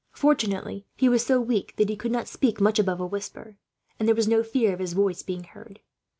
Fortunately he was so weak that he could not speak much above a whisper, and there was no fear of his voice being heard.